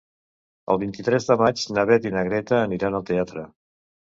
El vint-i-tres de maig na Beth i na Greta aniran al teatre.